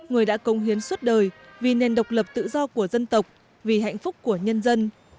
giúp đỡ đời vì nền độc lập tự do của dân tộc vì hạnh phúc của nhân dân